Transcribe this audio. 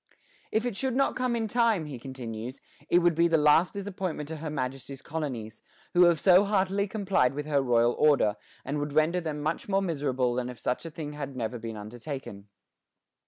If it should not come in time, he continues, "it would be the last disappointment to her Majesty's colonies, who have so heartily complied with her royal order, and would render them much more miserable than if such a thing had never been undertaken."